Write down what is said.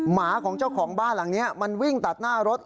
หมาของเจ้าของบ้านหลังนี้มันวิ่งตัดหน้ารถ